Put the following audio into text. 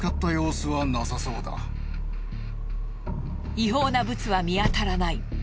違法なブツは見当たらない。